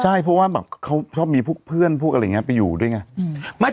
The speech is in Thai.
ใช่เพราะว่าเขาชอบมีเพื่อนไปอยู่ด้วยไง